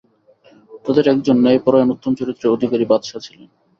তাদের একজন ন্যায়পরায়ণ উত্তম চরিত্রের অধিকারী বাদশাহ ছিলেন।